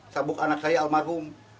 sabuk anak saya almarhum